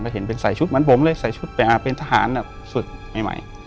เห็นเป็นใส่ชุดเหมือนผมเลยใส่ชุดแต่เป็นทหารสุดใหม่